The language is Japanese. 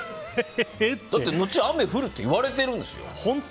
だって、後に雨降るって言われてるんですよ。